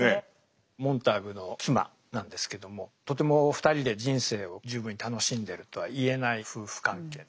モンターグの妻なんですけどもとても２人で人生を十分に楽しんでるとは言えない夫婦関係。